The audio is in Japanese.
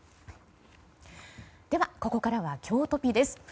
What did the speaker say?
ではここからはきょうトピです。